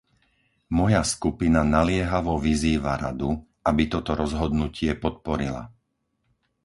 Moja skupina naliehavo vyzýva Radu, aby toto rozhodnutie podporila.